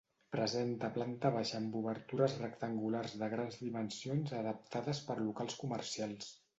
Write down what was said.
Presenta planta baixa amb obertures rectangulars de grans dimensions adaptades per locals comercials.